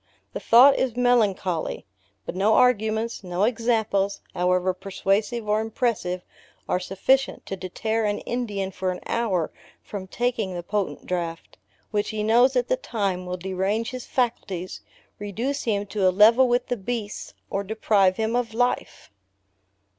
The thought is melancholy; but no arguments, no examples, however persuasive or impressive, are sufficient to deter an Indian for an hour from taking the potent draught, which he knows at the time will derange his faculties, reduce him to a level with the beasts, or deprive him of life!